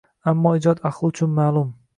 Ammo ijod ahli uchun ma’lum.